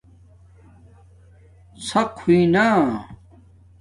ݼق ہوئئ نہ